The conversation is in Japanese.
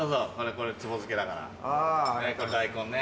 これ大根ね。